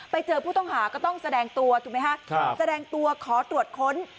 ไปเจอผู้ต้องหาก็ต้องแสดงตัวถูกไหมฮะแสดงตัวขอตรวจค้น